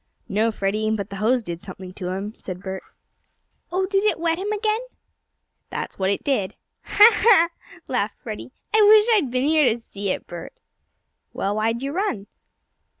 "No, Freddie, but the hose did something to him," said Bert. "Oh, did it wet him again?" "That's what it did." "Ha! Ha!" laughed Freddie. "I wish I'd been here to see it, Bert." "Well, why did you run?"